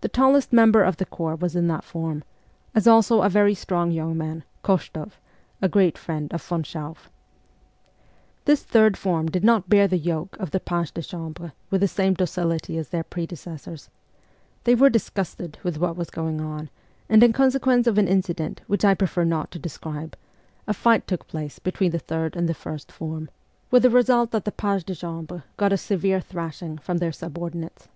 The tallest member of the corps was in that form, as also a very strong young man, Koshtoff, a' great friend of von Schauff. This third form did not bear the yoke of the pages de chambre with the same docility as their predecessors ; they were disgusted with what was going on, and in consequence of an incident, which I prefer not to describe, a fight took place between the third and the 90 MEMOIRS OF A REVOLUTIONIST first form, with the result that the pages de chambre got a severe thrashing from their subordinates.